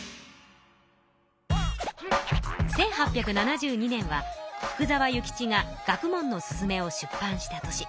１８７２年は福沢諭吉が「学問のすゝめ」を出版した年。